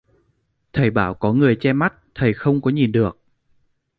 thầy bảo có người che mắt thầy không có nhìn được